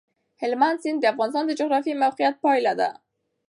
هلمند سیند د افغانستان د جغرافیایي موقیعت پایله ده.